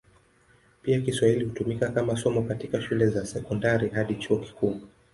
Pia Kiswahili hutumika kama somo katika shule za sekondari hadi chuo kikuu.